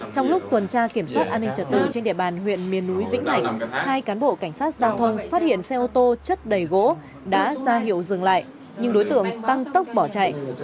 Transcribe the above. trong quá trình kiểm soát an ninh trật tù trên địa bàn huyện miền núi vĩnh hành hai cán bộ cảnh sát giao thông phát hiện xe ô tô chất đầy gỗ đã ra hiệu dừng lại nhưng đối tượng tăng tốc bỏ chạy